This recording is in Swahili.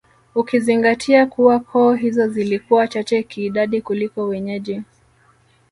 Ukizingatia kuwa koo hizo zilikuwa chache kiidadi kuliko wenyeji